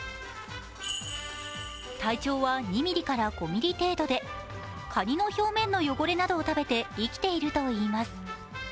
体長は２５ｍｍ程度で、カニの表面の汚れなどを食べて生きているといいます。